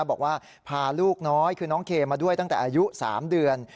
บอกว่าพาลูกน้อยคือน้องเคมาด้วยตั้งแต่อายุ๓เดือน